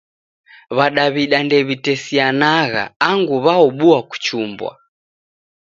W'adaw'ida ndewitesianagha angu w'aobua kuchumbwa.